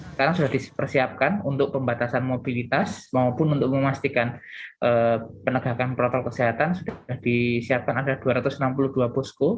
sekarang sudah dipersiapkan untuk pembatasan mobilitas maupun untuk memastikan penegakan protokol kesehatan sudah disiapkan ada dua ratus enam puluh dua posko